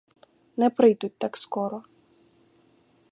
Не прийдуть так скоро.